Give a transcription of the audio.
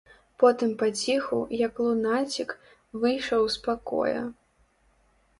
Потым паціху, як лунацік, выйшаў з пакоя.